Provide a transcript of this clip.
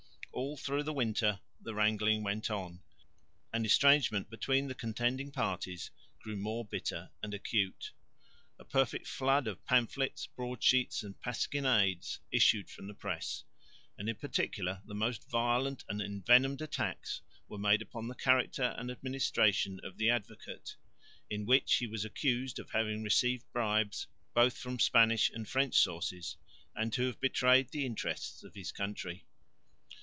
All through the winter the wrangling went on, and estrangement between the contending parties grew more bitter and acute. A perfect flood of pamphlets, broadsheets and pasquinades issued from the press; and in particular the most violent and envenomed attacks were made upon the character and administration of the Advocate, in which he was accused of having received bribes both from Spanish and French sources and to have betrayed the interests of his country.